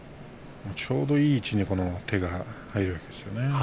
ちょうどいい位置に手が入るんですよね。